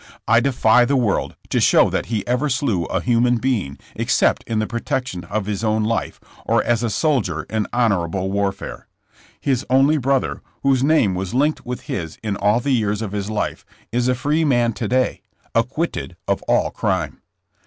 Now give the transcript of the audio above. I defy the world to show that he ever slew a human being except in the protection of his own life, or as a soldier in hon orable warfare. His only brother, whose name was linked with his in all the years of his life, is a free man to day, acquitted of all crime.